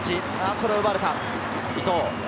これは奪われた、伊東。